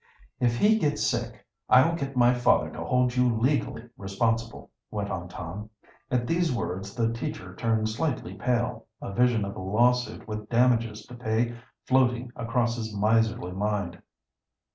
"If he gets sick, I'll get my father to hold you legally responsible," went on Tom. At these words the teacher turned slightly pale, a vision of a lawsuit with damages to pay floating across his miserly mind.